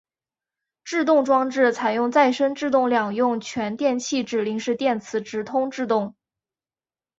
制动装置采用再生制动两用全电气指令式电磁直通制动。